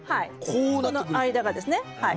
この間がですねはい。